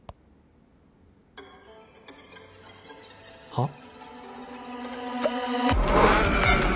はっ？